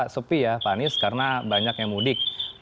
sepi ya pak anies karena banyak yang mudik